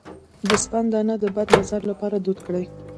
د سپند دانه د بد نظر لپاره دود کړئ